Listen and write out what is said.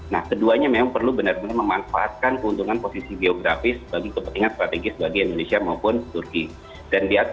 nah keduanya memang perlu benar benar memanfaatkan keuntungan posisi geografis bagi kepentingan strategis bagi indonesia maupun turki